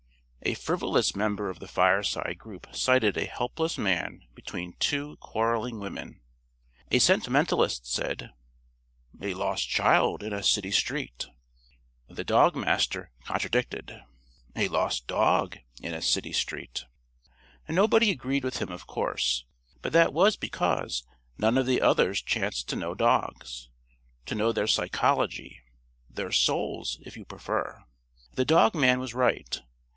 A frivolous member of the fireside group cited a helpless man between two quarreling women. A sentimentalist said: "A lost child in a city street." The Dog Master contradicted: "A lost dog in a city street." Nobody agreed with him of course; but that was because none of the others chanced to know dogs to know their psychology their souls, if you prefer. The dog man was right.